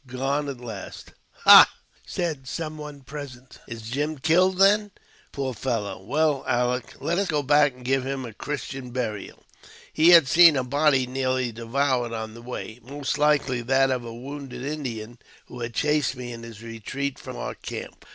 gone at last !"" Ha !" said some one present, '' is Jim killed, then? Poor fellow ! Well, Aleck, let us go back and give him a Christian burial." He had seen a body nearly devoured on the way, most likely that of the wounded Indian who had chased me in his retreat from our camp.